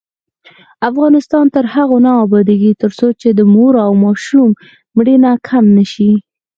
افغانستان تر هغو نه ابادیږي، ترڅو د مور او ماشوم مړینه کمه نشي.